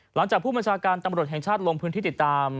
หลังจากผู้บัญชาการตำรวจแห่งชาติลงพื้นที่ติดตาม